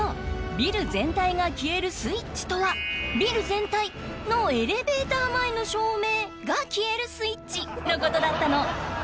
ビル全体が消えるスイッチとはビル全体「のエレベーター前の照明」が消えるスイッチのことだったの！